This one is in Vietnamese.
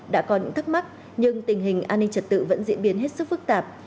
đã có những thắc mắc nhưng tình hình an ninh trật tự vẫn diễn biến hết sức phức tạp